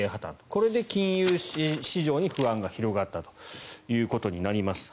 これで金融市場に不安が広がったということになります。